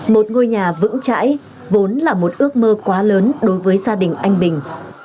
một ngôi nhà vững chãi vốn là một ước mơ quá lớn đối với gia đình anh bình